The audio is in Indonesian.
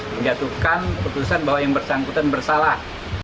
menjatuhkan putusan bahwa yang bersangkutan bersalah